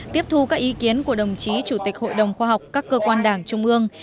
tiếp thu các ý kiến của đồng chí chủ tịch hội đồng khoa học các cơ quan đảng trung ương